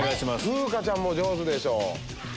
風花ちゃんも上手でしょ。